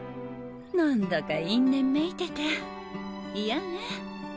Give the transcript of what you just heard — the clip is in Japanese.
なんだか因縁めいててイヤね。